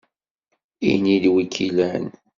Ini-d wi k-ilan!